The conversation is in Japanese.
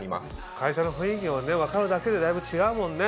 会社の雰囲気が分かるだけでだいぶ違うもんね。